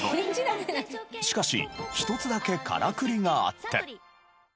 しかし一つだけカラクリがあった。